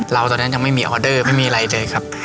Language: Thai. ตอนนั้นยังไม่มีออเดอร์ไม่มีอะไรเลยครับ